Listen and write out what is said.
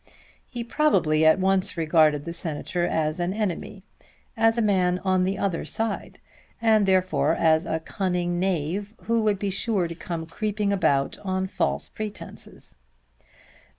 He probably at once regarded the Senator as an enemy, as a man on the other side, and therefore as a cunning knave who would be sure to come creeping about on false pretences.